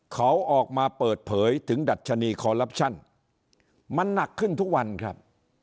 เขาออกมาเปิดเผยถึงดัชนีคอลลับชั่นมันหนักขึ้นทุกวันครับ